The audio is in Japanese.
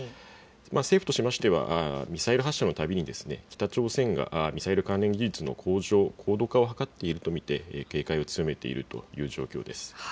政府としましてはミサイル発射のたびに北朝鮮がミサイル関連技術の向上、高度化を図っていると見て警戒を強めているという状況です。